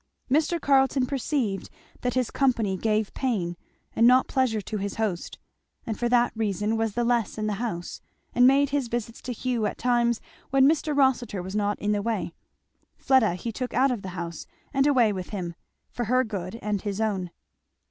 Mr. Carleton perceived that his company gave pain and not pleasure to his host and for that reason was the less in the house, and made his visits to Hugh at times when Mr. Rossitur was not in the way. Fleda he took out of the house and away with him, for her good and his own.